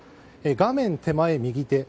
画面手前、右手。